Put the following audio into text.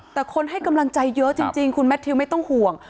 แต่คนให้กำลังใจเยอะจริงคุณแมททิวไม่ต้องห่วง